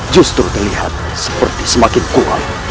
justru terlihat seperti semakin kuat